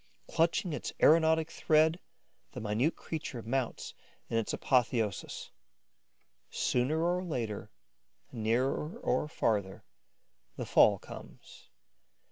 Clutching its aeronautic thread, the minute creature mounts in an apotheosis. Sooner or later, nearer or farther, the fall comes.